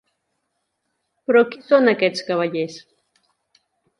Però, qui són aquests cavallers?